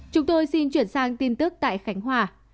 chúng tôi xin chuyển sang tin tức tại khánh hòa